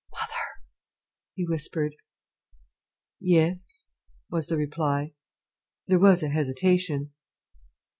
"Mother!" he whispered. "Yes," was the reply. There was a hesitation.